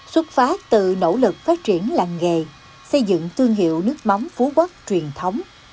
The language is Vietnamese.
xuất phát từ nỗ lực phát triển làng nghề xây dựng thương hiệu nước mắm phú quốc truyền thống